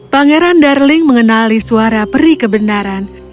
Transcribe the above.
pangeran darling mengenali suara perikebenaran